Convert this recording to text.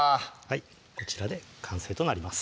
こちらで完成となります